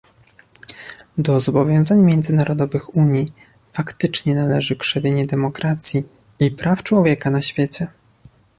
Do zobowiązań międzynarodowych Unii faktycznie należy krzewienie demokracji i praw człowieka na świecie